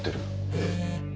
ええ。